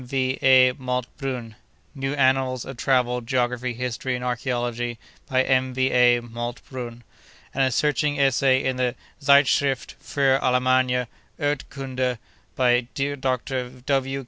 V. A. Malte Brun_ ("New Annals of Travels, Geography, History, and Archaeology, by M. V. A. Malte Brun"); and a searching essay in the Zeitschrift für Allgemeine Erdkunde, by Dr. W.